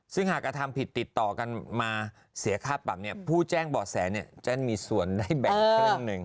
ซึ่งหากกระทำผิดติดต่อกันมาเสียค่าปรับผู้แจ้งบ่อแสจะมีส่วนได้แบ่งครึ่งหนึ่ง